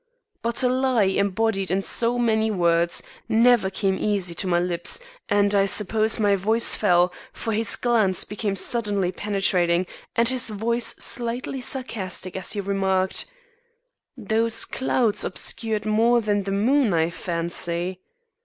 But a lie embodied in so many words, never came easy to my lips, and I suppose my voice fell, for his glance became suddenly penetrating, and his voice slightly sarcastic as he remarked: "Those clouds obscured more than the moon, I fancy.